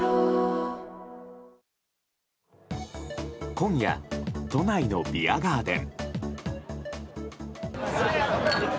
今夜、都内のビアガーデン。